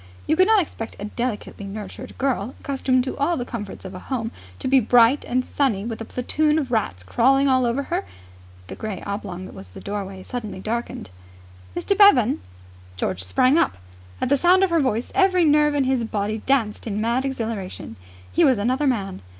You could not expect a delicately nurtured girl, accustomed to all the comforts of a home, to be bright and sunny with a platoon of rats crawling all over her. ... The grey oblong that was the doorway suddenly darkened. "Mr. Bevan!" George sprang up. At the sound of her voice every nerve in his body danced in mad exhilaration. He was another man.